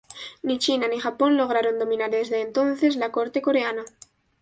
Ni China ni Japón lograron dominar desde entonces la corte coreana.